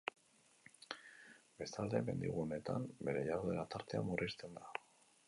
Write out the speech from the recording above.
Bestalde, mendiguneetan bere jarduera-tartea murrizten da.